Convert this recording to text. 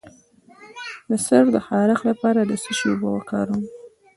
د سر د خارښ لپاره د څه شي اوبه وکاروم؟